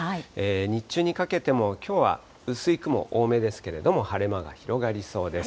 日中にかけてもきょうは薄い雲多めですけれども、晴れ間が広がりそうです。